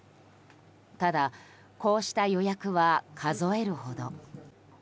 ただ、こうした予約は数えるほど。